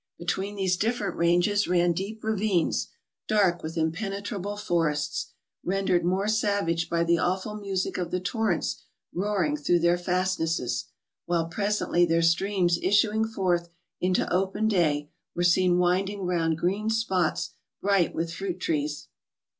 Between these different ranges ran deep ravines, dark with impenetrable forests, ren¬ dered more savage by the awful music of the torrents roaring through their fastnesses, while presently their streams issuing forth into open day, were seen , winding round green spots bright with fruit trees.